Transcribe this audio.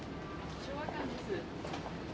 昭和館です。